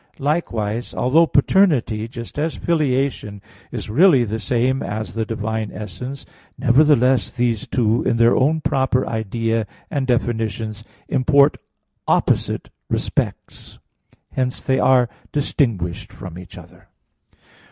Likewise, although paternity, just as filiation, is really the same as the divine essence; nevertheless these two in their own proper idea and definitions import opposite respects. Hence they are distinguished from each other.